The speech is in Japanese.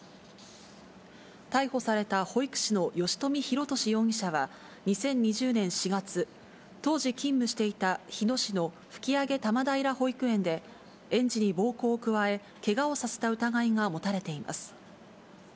逮捕された保育士の吉冨弘敏容疑者は２０２０年４月、当時勤務していた日野市の吹上多摩平保育園で、園児に暴行を加え、けがをさせた疑いが持たれています。